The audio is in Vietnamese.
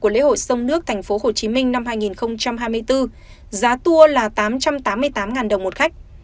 của lễ hội sông nước tp hcm năm hai nghìn hai mươi bốn giá tour là tám trăm tám mươi tám đồng một khách